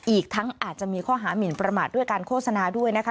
อีกทั้งอาจจะมีข้อหามินประมาทด้วยการโฆษณาด้วยนะคะ